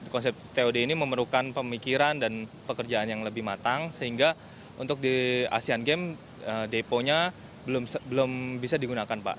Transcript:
konsep tod ini memerlukan pemikiran dan pekerjaan yang lebih matang sehingga untuk di asean games deponya belum bisa digunakan pak